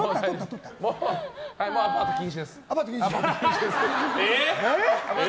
もうアパート禁止です。